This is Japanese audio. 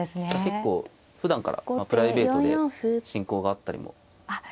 結構ふだんからプライベートで親交があったりもするんですかね。